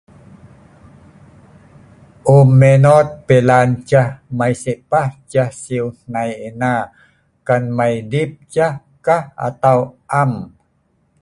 um meinot pilan ceh mei sikpah ceh sieu hnai ena, kan mei dip ceh ka atau am